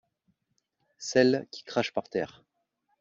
Celles qui crachent par terre.